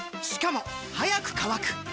しかも速く乾く！